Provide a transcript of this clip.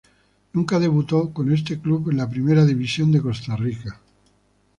Nunca debutó con este club en la Primera División de Costa Rica.